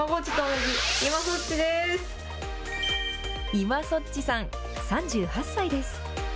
今そっちさん３８歳です。